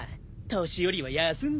年寄りは休んでな。